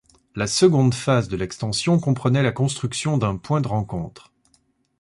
La seconde phase de l'extension comprenait la construction d'un point de rencontre.